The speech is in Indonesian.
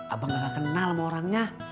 abang gak kenal sama orangnya